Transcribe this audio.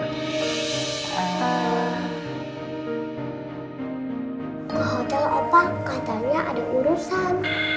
ke hotel opa katanya ada urusan